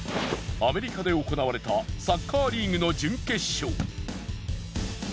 アメリカで行われたサッカーリーグの準決勝。